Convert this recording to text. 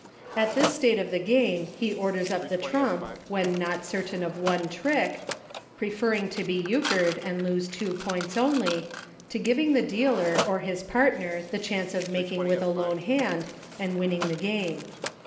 At this state of the game he orders up the trump — when not certain of one trick — preferring to be Euchred, and lose two points only, to giving the dealer, or his partner, the chance of making with a lone hand, and winning the game.